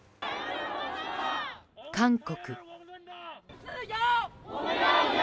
韓国。